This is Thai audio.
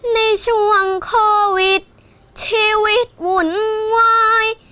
ในช่วงโควิดชีวิตหวุ่นวาย